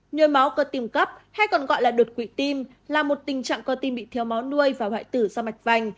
nhồi máu cơ tim cấp hay còn gọi là đột quỵ tim là một tình trạng con tim bị thiếu máu nuôi và hoại tử do mạch vành